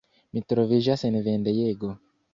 Mi troviĝas en vendejego.